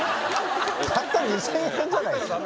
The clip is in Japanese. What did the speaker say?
たった２，０００円じゃないですか。